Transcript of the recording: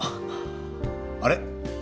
あれ？